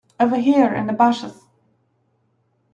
Over here in the bushes.